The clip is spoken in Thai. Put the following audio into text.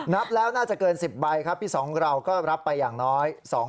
นับแล้วน่าจะเกิน๑๐ใบครับพี่สองเราก็รับไปอย่างน้อย